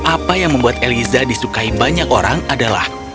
apa yang membuat eliza disukai banyak orang adalah